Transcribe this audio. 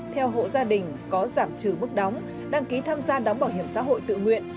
theo hộ gia đình có giảm trừ mức đóng đăng ký tham gia đóng bảo hiểm xã hội tự nguyện